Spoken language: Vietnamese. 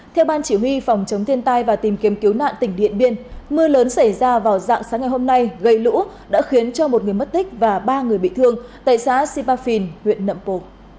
theo ban chỉ huy phòng chống thiên tai và tìm kiếm cứu nạn tỉnh điện biên mưa lớn xảy ra vào dạng sáng ngày hôm nay gây lũ đã khiến cho một người mất tích và ba người bị thương tại xã sipafin huyện nậm pồ